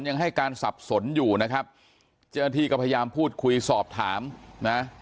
ยังให้การสับสนอยู่นะครับเจ้าหน้าที่ก็พยายามพูดคุยสอบถามนะ